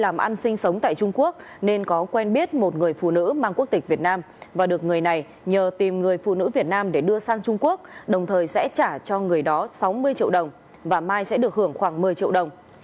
làm ăn sinh sống tại trung quốc nên có quen biết một người phụ nữ mang quốc tịch việt nam và được người này nhờ tìm người phụ nữ việt nam để đưa sang trung quốc đồng thời sẽ trả cho người đó sáu mươi triệu đồng và mai sẽ được hưởng khoảng một mươi triệu đồng